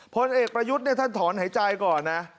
ผลเอกประยุทธรรมน์ทำถอนหายใจก่อนนะ